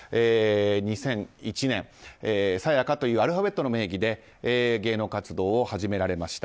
２００１年、ＳＡＹＡＫＡというアルファベットの名義で芸能活動を始められました。